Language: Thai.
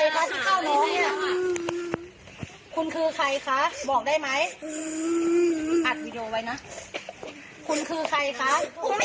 ผีจะใส่มอดหัวหนูกลัว